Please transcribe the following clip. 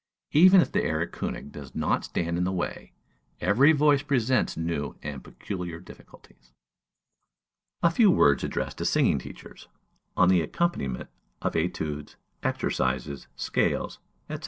Even if the "Erlkönig" does not stand in the way, every voice presents new and peculiar difficulties. _A Few Words addressed to Singing Teachers on the Accompaniment of Etudes, Exercises, Scales, &c.